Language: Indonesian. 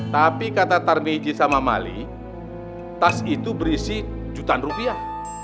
tapi kata tarmiji sama mali tas itu berisi jutaan rupiah